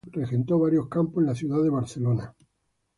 Anteriormente, el club regentó varios campos en la ciudad de Barcelona.